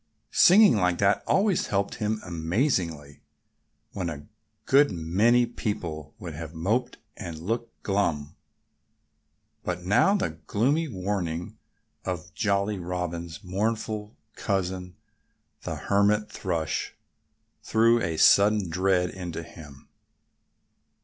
Singing like that always helped him amazingly, when a good many people would have moped and looked glum. But now the gloomy warning of Jolly Robin's mournful cousin, the Hermit Thrush, threw a sudden dread into him.